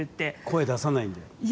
声、出さないんだよ。